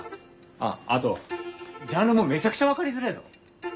あっあとジャンルもめちゃくちゃ分かりづれぇぞ。